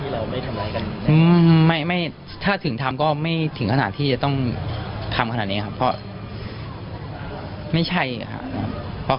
แล้วจำได้ว่ายังไงที่พี่แล้วไม่ทำลายคำถาม